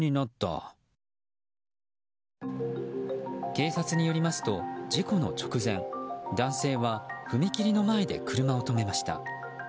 警察によりますと、事故の直前男性は踏切の前で車を止めました。